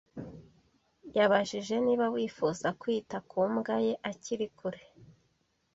yabajije niba wifuza kwita ku mbwa ye akiri kure.